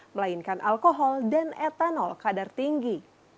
melainkan alkohol dan etanol kadar tinggi